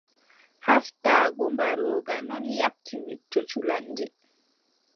Haaftaago mbarooga non yaaɓti wicco culanndi.